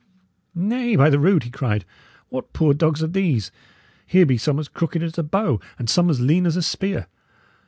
"Nay, by the rood!" he cried, "what poor dogs are these? Here be some as crooked as a bow, and some as lean as a spear.